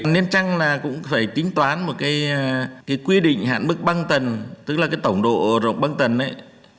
nên chăng là cũng phải tính toán một cái quy định hạn mức băng tần tức là cái tổng độ rộng băng tần ấy